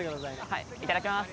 はいいただきます